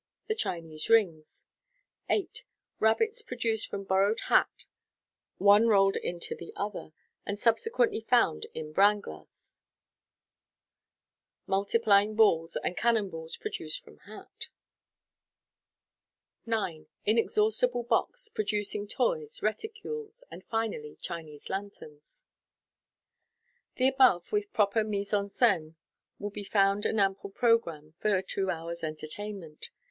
7. The Chinese rings (page 401). 8. Rabbits produced from borrowed hat j one rolled into thi other, and subsequently found in bran glass (page 452). Multiplying balls and cannon balls produced from hat {page 304). MODERN MAGIC 507 9. Inexhaustible box (page 391), producing toys, reticules (pagt 009), and finally Chinese lanterns (page 395). The above, with proper mise en scene, will be found an ample programme for a two hours' entertainment.